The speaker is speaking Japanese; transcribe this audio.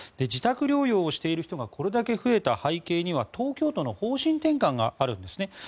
自宅療養をしている人がこれだけ増えた背景には東京都の方針転換があるんですね。